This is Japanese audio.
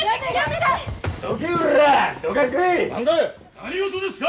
・何事ですか！